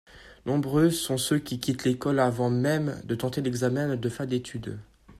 Nombreux sont ceux qui quittent l’école avant meme de tenter l’examen de fin d’études.